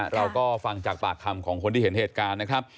เราก็ฟังจากปากคำของคนที่เห็นเหตุการณ์นะครับ